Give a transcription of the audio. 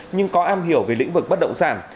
nhưng có am hiểu về lĩnh vực bất động sản